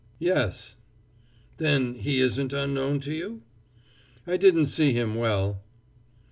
"Yes." "Then he isn't unknown to you?" "I didn't see him well."